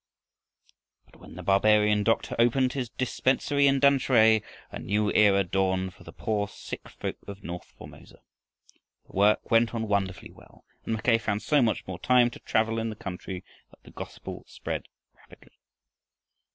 But when the barbarian doctor opened his dispensary in Tamsui, a new era dawned for the poor sick folk of north Formosa. The work went on wonderfully well and Mackay found so much more time to travel in the country that the gospel spread rapidly.